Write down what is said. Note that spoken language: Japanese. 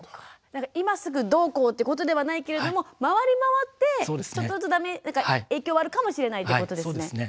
今すぐどうこうってことではないけれども回り回ってちょっとずつ影響はあるかもしれないってことですね。